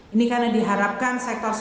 ini karena diharapkan sektor sektor